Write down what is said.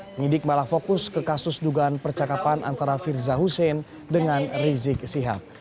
penyidik malah fokus ke kasus dugaan percakapan antara firza hussein dengan rizik sihab